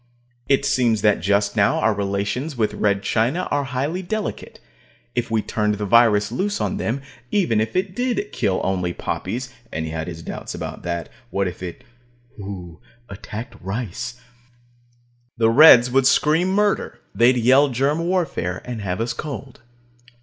It seems that just now our relations with Red China are highly delicate. If we turned the virus loose on them, even if it did kill only poppies (and he had his doubts about that. What if shudder it attacked rice?) the Reds would scream murder. They'd yell germ warfare, and have us cold.